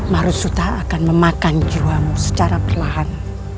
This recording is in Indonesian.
marusuta akan memakan jiwamu secara perlahan